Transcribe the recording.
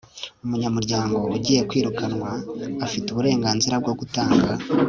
umunyamuryango ugiye kwirukanwa afite uburenganzira bwo gutanga